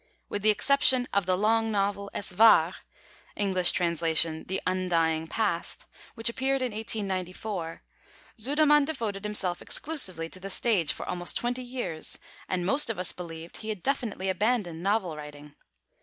With the exception of the long novel, Es War (English translation, The Undying Past), which appeared in 1894, Sudermann devoted himself exclusively to the stage for almost twenty years, and most of us believed he had definitely abandoned novel writing.